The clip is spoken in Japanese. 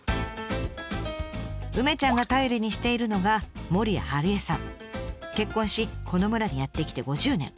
梅ちゃんが頼りにしているのが結婚しこの村にやって来て５０年。